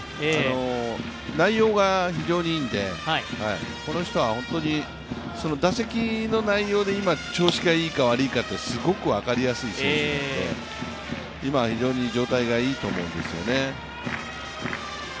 内容が非常にいいんで、この人は本当に、打席の内容で今、調子がいいか悪いかすごく分かりやすい選手で今は非常に状態がいいと思うんですよね。